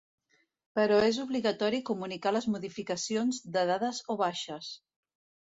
Però és obligatori comunicar les modificacions de dades o baixes.